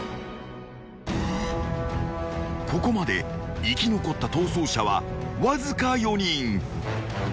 ［ここまで生き残った逃走者はわずか４人］